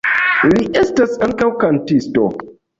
Li estas ankaŭ kantisto.